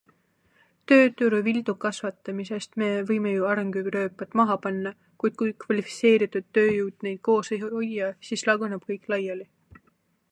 Tööturu viltukasvatamisest Me võime ju arengurööpad maha panna, kuid kui kvalifitseeritud tööjõud neid koos ei hoia, siis laguneb kõik laiali.